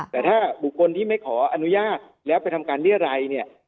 แต่ถ้าบุคคลที่ไม่ขออนุญาตแล้วไปทำการเรียรัยเนี่ย